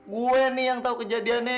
lu kan kagak tau apa apa